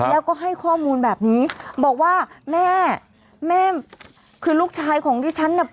แล้วก็ให้ข้อมูลแบบนี้บอกว่าแม่แม่คือลูกชายของดิฉันน่ะ